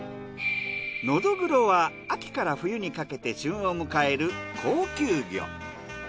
ノドグロは秋から冬にかけて旬を迎える高級魚。